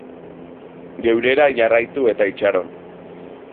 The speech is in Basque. Geurera jarraitu eta itxaron.